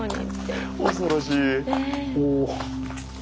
恐ろしい。